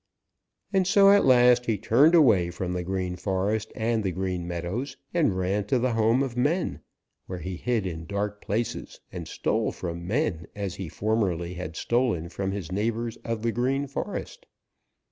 And so at last he turned away from the Green Forest and the Green Meadows and ran to the homes of men, where he hid in dark places and stole from men as he formerly had stolen from his neighbors of the Green Forest.